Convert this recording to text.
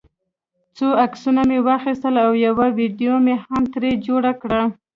څو عکسونه مې واخیستل او یوه ویډیو مې هم ترې جوړه کړه.